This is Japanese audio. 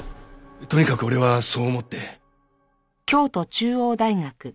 とにかく俺はそう思って。